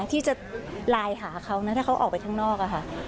ที่จะรายหาเขาถ้าเขาออกไปทางนอก